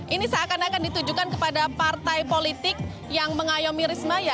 ini seakan akan ditujukan kepada partai politik yang mengayomi risma